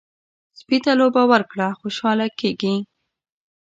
سپي ته لوبه ورکړه، خوشحاله کېږي.